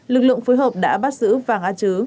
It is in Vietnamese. lực lượng phối hợp đã bắt giữ vàng a chứ